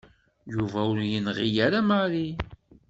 Yuba ur yenɣi ara Mary.